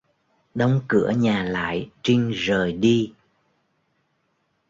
Đóng cửa nhà lại Trinh rời đi